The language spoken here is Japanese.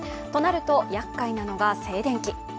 となると、やっかいなのが静電気。